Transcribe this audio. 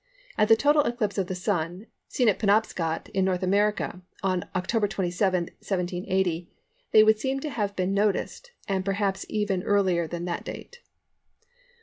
At the total eclipse of the Sun, seen at Penobscot in North America, on October 27, 1780, they would seem to have been noticed, and perhaps even earlier than that date.